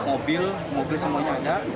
mobil mobil semuanya ada